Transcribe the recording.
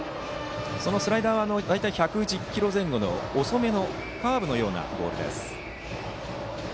そのスライダーは大体１１０キロ前後の遅めのカーブのようなボールです。